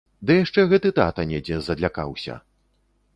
Ды яшчэ гэты тата недзе задлякаўся!